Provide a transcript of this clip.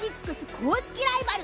公式ライバル